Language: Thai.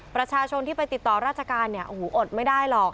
ประชาชนที่ไปติดต่อราชการเนี่ยโอ้โหอดไม่ได้หรอก